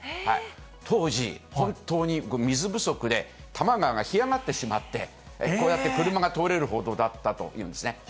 当時、本当に水不足で、多摩川が干上がってしまって、こうやって車が通れるほどだったんですね。